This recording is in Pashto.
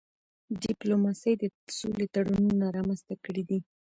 ډيپلوماسي د سولې تړونونه رامنځته کړي دي.